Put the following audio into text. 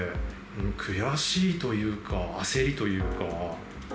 悔しいというか、焦りというか。